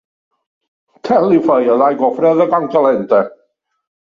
Tan li feia l'aigua freda, com calenta.